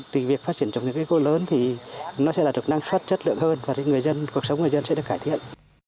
từ việc phát triển trồng rừng cây hỗ lớn thì nó sẽ được năng suất chất lượng hơn và cuộc sống người dân sẽ được cải thiện